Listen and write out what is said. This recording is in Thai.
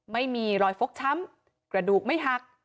ไม่มีรอยฟกช้ำกระดูกไม่หัก